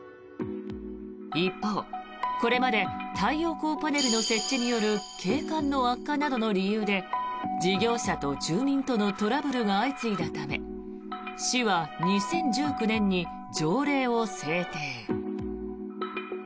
一方、これまで太陽光パネルの設置による景観の悪化などの理由で事業者と住民とのトラブルが相次いだため市は２０１９年に条例を制定。